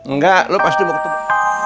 enggak lo pasti mau ketemu